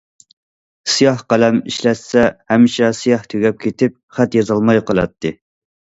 سىياھ قەلەم ئىشلەتسە ھەمىشە سىياھ تۈگەپ كېتىپ، خەت يازالماي قالاتتى.